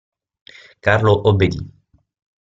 Carlo obbedì.